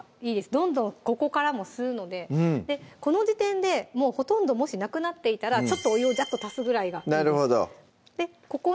どんどんここからも吸うのでこの時点でもうほとんどもしなくなっていたらちょっとお湯をジャッと足すぐらいがいいです